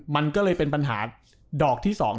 มันก็เลยเป็นปัญหาดอกที่๒